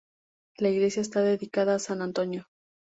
La iglesia está dedicada a San Antonio.